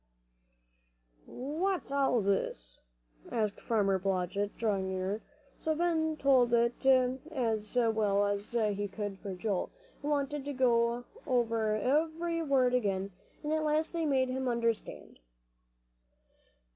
"What's all this?" asked Farmer Blodgett, drawing near. So Ben told it as well as he could for Joel, who wanted to go over every word again, and at last they made him understand.